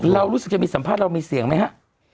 รู้สึกจะมีสัมภาษณ์เรามีเสียงไหมฮะ